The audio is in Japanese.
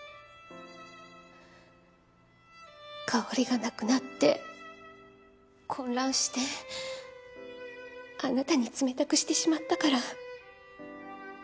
香織が亡くなって混乱してあなたに冷たくしてしまったから。